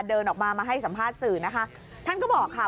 เดินออกมามาให้สัมภาษณ์สื่อนะคะท่านก็บอกค่ะ